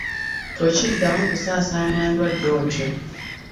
Tokiddamu kusaasaanya ndwadde otyo.